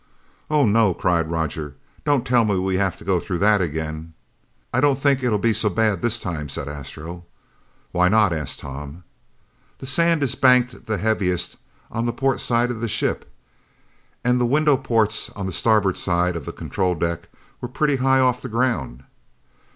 "Oh, no!" cried Roger. "Don't tell me we have to go through that again?" "I don't think it'll be so bad this time," said Astro. "Why not?" asked Tom. "The sand is banked the heaviest on the port side of the ship. And the window ports on the starboard side of the control deck were pretty high off the ground."